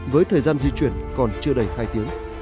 với thời gian di chuyển còn chưa đầy hai tiếng